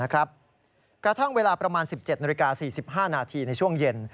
กระทั่งเวลาประมาณ๑๗นาฬิกา๔๕นาทีในช่วงเย็น